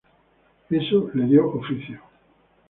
Eso le dio oficio.